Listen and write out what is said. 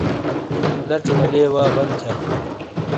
لژے والے وا بن تھیا۔